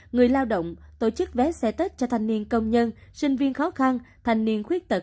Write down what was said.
người lao động tổ chức vé xe tết cho thanh niên công nhân sinh viên khó khăn thanh niên khuyết tật